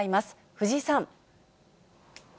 藤井さん。